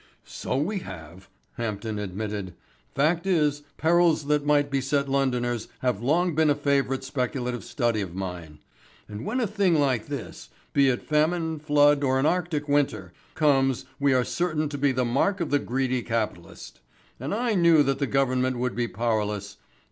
"So we have," Hampden admitted. "Fact is, perils that might beset Londoners have long been a favourite speculative study of mine. And when a thing like this be it famine, flood, or an Arctic winter comes we are certain to be the mark of the greedy capitalist. And I knew that the Government would be powerless.